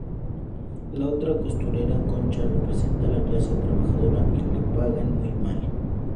La otra costurera, Concha, representa la clase trabajadora y le pagan muy mal.